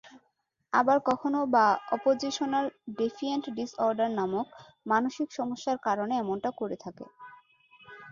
আবার কখনো-বা অপজিশনাল defiant disorder নামক মানসিক সমস্যার কারণে এমনটা করে থাকে।